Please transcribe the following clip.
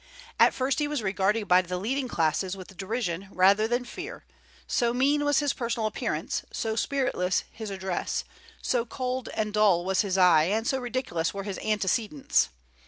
At first he was regarded by the leading classes with derision rather than fear, so mean was his personal appearance, so spiritless his address, so cold and dull was his eye, and so ridiculous were his antecedents.